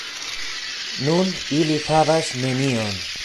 Nun ili havas nenion!